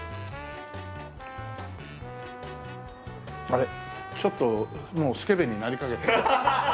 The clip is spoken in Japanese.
あれちょっともうスケベになりかけて。